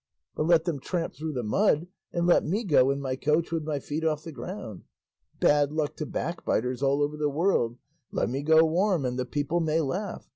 But let them tramp through the mud, and let me go in my coach with my feet off the ground. Bad luck to backbiters all over the world; 'let me go warm and the people may laugh.